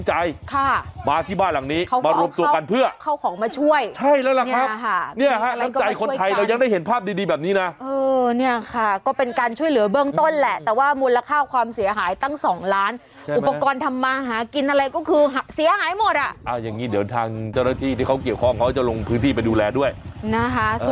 เนี่ยฮะน้ำใจคนไทยเรายังได้เห็นภาพดีดีแบบนี้นะเออเนี่ยค่ะก็เป็นการช่วยเหลือเบื้องต้นแหละแต่ว่ามูลค่าความเสียหายตั้งสองล้านอุปกรณ์ทำมาหากินอะไรก็คือเสียหายหมดอ่ะอ่าอย่างงี้เดี๋ยวทางเจ้าหน้าที่ที่เขาเกี่ยวข้องเขาจะลงพื้นที่ไปดูแลด้วยนะคะ